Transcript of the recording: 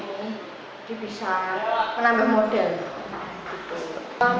jadi bisa menambah modal